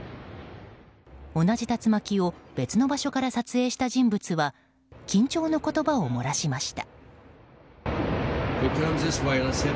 同じ竜巻を別の場所から撮影した人物は緊張の言葉をもらしました。